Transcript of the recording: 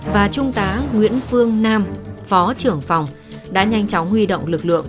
và trung tá nguyễn phương nam phó trưởng phòng đã nhanh chóng huy động lực lượng